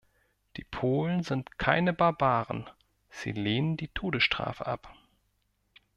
Die Polen sind keine Barbaren, sie lehnen die Todesstrafe ab.